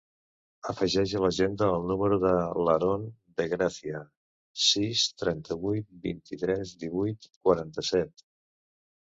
Afegeix a l'agenda el número de l'Aron De Gracia: sis, trenta-vuit, vint-i-tres, divuit, quaranta-set.